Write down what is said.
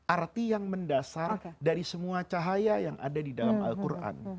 arti yang mendasar dari semua cahaya yang ada di dalam al quran